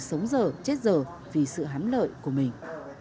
sống dở chết dở vì sự hán lợi của mình